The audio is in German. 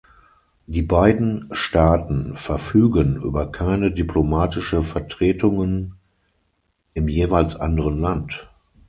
Die beiden Staaten verfügen über keine diplomatische Vertretungen im jeweils anderen Land.